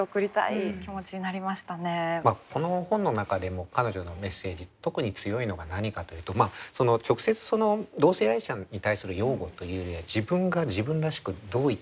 この本の中でも彼女のメッセージ特に強いのが何かというと直接その同性愛者に対する擁護というよりは自分が自分らしくどう生きるべきなのか。